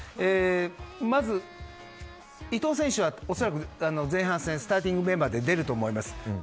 まず伊東選手は恐らく前半戦スターティングメンバーで出ると思います。